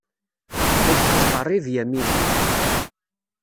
La d-tettqerrib Yamina.